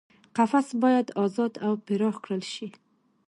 قفس باید ازاد او پراخ کړل شي.